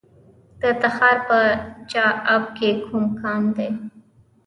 د تخار په چاه اب کې کوم کان دی؟